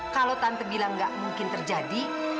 kalau tante bilang nggak mungkin terjadi